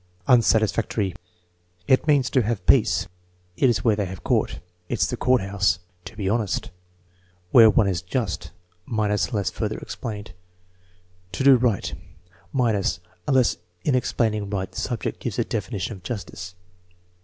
Unsatisfactory. "It means to have peace." "It is where they have court." "It's the Courthouse." "To be honest." "Where one is just" (minus, unless further explained). "To do right" (minuSy unless in explaining right the subject gives a definition of justice).